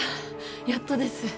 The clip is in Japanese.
やっとです。